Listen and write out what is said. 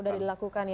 udah dilakukan ya